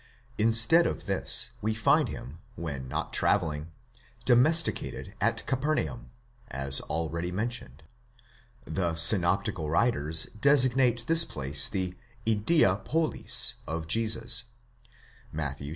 Instead of this we find him, when not travelling, domesticated at Capernaum, as already mentioned ; the synoptical writers designate this place the ἰδία πόλις of Jesus (Matt.